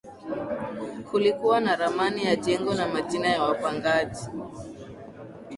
Kulikuwa na ramani ya jengo na majina ya wapangaji